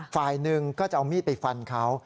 ฝ่ายหนึ่งก็จะเอามีดไปฟันเขา